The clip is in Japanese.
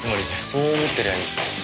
そう思ってりゃいい。